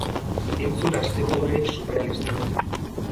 Entzun asteko unerik surrealistenak.